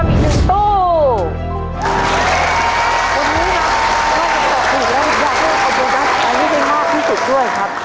อันนี้เป็นมากที่สุดด้วยครับ